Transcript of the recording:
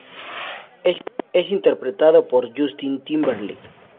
Es interpretado por Justin Timberlake.